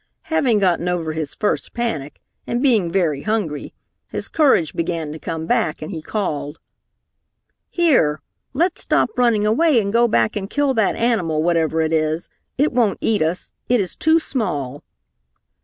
Having gotten over his first panic, and being very hungry, his courage began to come back, and he called, "Here, let's stop running away and go back and kill that animal, whatever it is! It won't eat us. It is too small!"